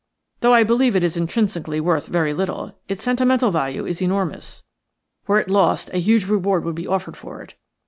Though I believe it is intrinsically worth very little, its sentimental value is enormous. Were it lost a huge reward would be offered for it.